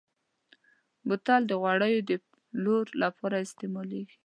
بوتل د غوړیو د پلور لپاره استعمالېږي.